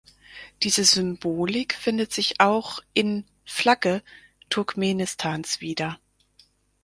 Diese Symbolik findet sich auch in Flagge Turkmenistans wieder.